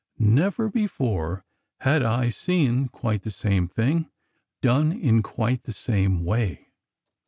Never before had I seen quite the same thing done in quite the same way.